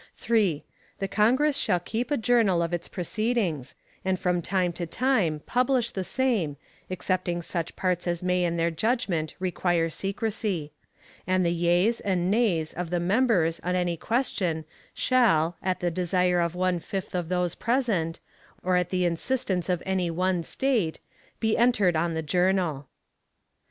3. The Congress shall keep a journal of its proceedings, and from time to time publish the same, excepting such parts as may in their judgment require secrecy; and the yeas and nays of the members on any question shall, at the desire of one fifth of those present, or at the instance of any one State, be entered on the journal.